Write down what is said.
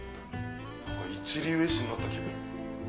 一流絵師になった気分。